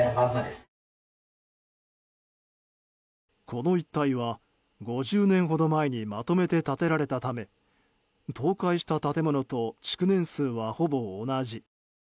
この一帯は５０年ほど前にまとめて建てられたため倒壊した建物と築年数は、ほぼ同じ。